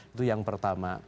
itu yang pertama